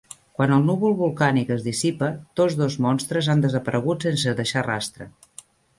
Quan el núvol volcànic es dissipa, tots dos monstres han desaparegut sense deixar rastre.